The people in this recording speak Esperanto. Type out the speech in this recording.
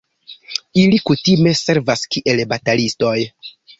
Ili kutime servas kiel batalistoj.